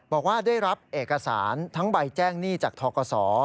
บอกว่าได้รับเอกสารทั้งใบแจ้งหนี้จากทกศ